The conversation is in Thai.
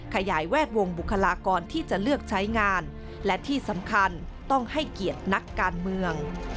ขยายแวดวงบุคลากรที่จะเลือกใช้งานและที่สำคัญต้องให้เกียรตินักการเมือง